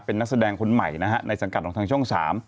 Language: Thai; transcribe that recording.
เป็นนักแสดงคนใหม่ในสังกัดของช่อง๓